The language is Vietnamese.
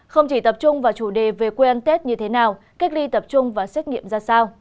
không chỉ tập trung vào chủ đề về quê ăn tết như thế nào cách ly tập trung và xét nghiệm ra sao